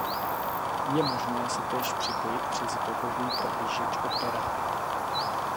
Je možné se též připojit přes webový prohlížeč Opera.